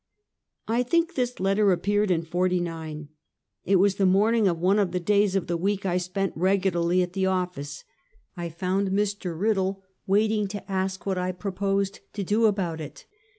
I think this letter appeared in '49. It was the morning of one of the days of the week I spent regularly at the office. I found Mr. Riddle waiting to ask what I proposed to do about it.